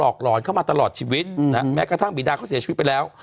หลอนเข้ามาตลอดชีวิตแม้กระทั่งบีดาเขาเสียชีวิตไปแล้ว